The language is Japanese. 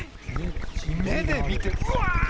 目で見て、うわー！